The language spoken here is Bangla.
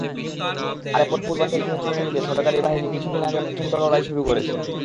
আলেপ্পোর পূর্বাঞ্চল নিয়ন্ত্রণে নিতে সরকারি বাহিনী কিছুদিন আগে প্রচণ্ড লড়াই শুরু করেছে।